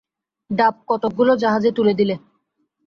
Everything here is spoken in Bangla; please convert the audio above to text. ডাব কতকগুলো জাহাজে তুলে দিলে।